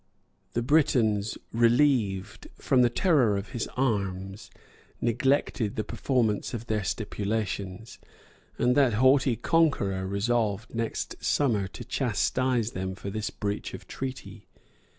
The Britons relieved, from the terror of his arms, neglected the performance of their stipulations; and that haughty conqueror resolved next summer to chastise them for this breach of treaty.